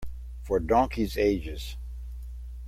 For donkeys' ages.